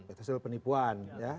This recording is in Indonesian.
itu hasil penipuan